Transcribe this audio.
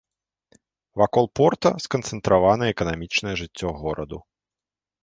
Вакол порта сканцэнтравана эканамічнае жыццё гораду.